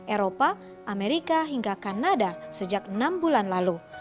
eropa amerika hingga kanada sejak enam bulan lalu